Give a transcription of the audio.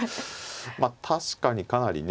まあ確かにかなりね本当に。